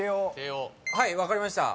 はい分かりました。